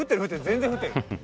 全然降ってる！